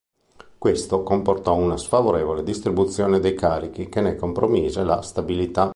Questo comportò una sfavorevole distribuzione dei carichi, che ne compromise la stabilità.